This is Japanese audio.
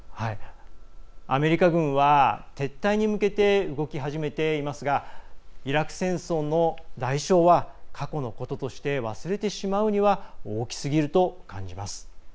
アメリカ軍は、撤退に向けて動き始めていますがイラク戦争の代償は過去のこととして忘れてしまうには大きすぎると感じます。